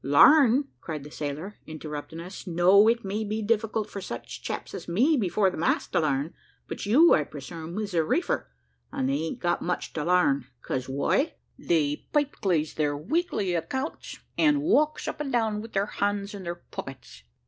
"Larn," cried the sailor, interrupting us, no, it may be difficult for such chaps as me before the mast to larn, but you, I presume, is a reefer, and they an't got much to larn, "cause why, they pipe clays their weekly accounts, and walks up and down with their hands in their pockets.